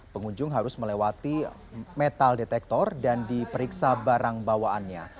pengunjung harus melewati metal detektor dan diperiksa barang bawaannya